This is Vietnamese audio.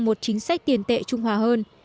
một chính sách tiền tệ trung hòa hơn